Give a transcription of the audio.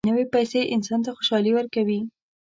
نوې پیسې انسان ته خوشالي ورکوي